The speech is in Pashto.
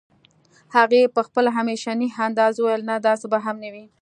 هغې په خپل همېشني انداز وويل نه داسې به هم نه وي